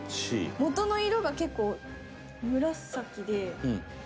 元の色が結構紫で。